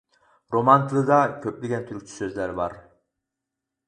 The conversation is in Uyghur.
رومان تىلىدا كۆپلىگەن تۈركچە سۆزلەر بار.